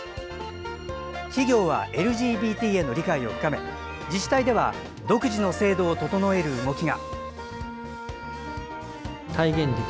企業はＬＧＢＴへの理解を深め自治体では独自の制度を整える動きが。